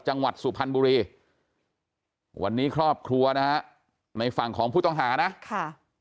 จังหวัดสุพรรณบุรีวันนี้ครอบครัวนะฮะในฝั่งของผู้ต้องหานะค่ะ